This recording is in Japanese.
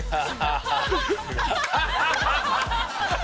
ハハハハ！